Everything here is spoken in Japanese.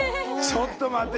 ちょっと待って。